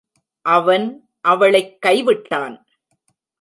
அவன் அவளைக் கைவிட்டான்.